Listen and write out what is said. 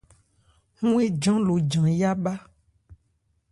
Ɔ́n éjan lo jan yá bhá.